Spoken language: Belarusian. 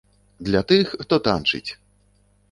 Для тых, хто танчыць!